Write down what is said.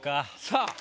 さあ。